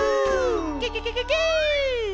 ケケケケケ。